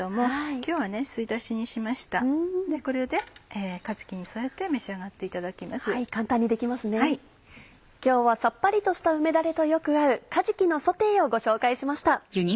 今日はさっぱりとした梅だれとよく合うかじきのソテーをご紹介しました。